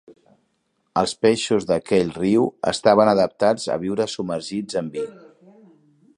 Els peixos d'aquell riu estaven adaptats a viure submergits en vi.